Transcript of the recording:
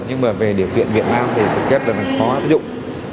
nhưng mà về điều kiện việt nam thì thực chất là khó áp dụng